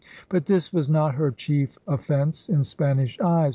But this was not her chief offence in Spanish eyes.